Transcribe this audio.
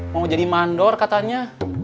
mau jadi mandor katanya